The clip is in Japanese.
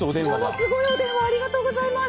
すごいお電話、ありがとうございます。